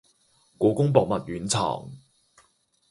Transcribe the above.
故宮博物院藏